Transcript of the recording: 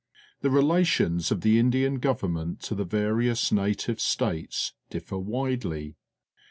The relations of the Indian Government to the various native states differ widely.